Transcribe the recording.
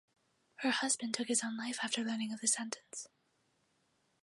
Her husband took his own life after learning of the sentence.